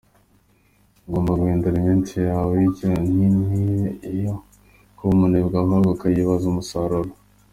Ugomba guhindura iminsi yawe y’ikiruhuko ntibe iyo kuba umunebwe ahubwo ukayibyaza umusaruro.